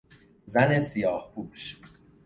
زن سیاهپوش